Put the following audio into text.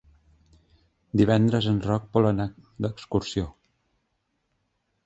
Divendres en Roc vol anar d'excursió.